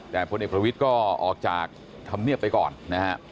แต่คนเอกประวิทธ์ก็ออกจากทำเมียไปก่อนนะฮะ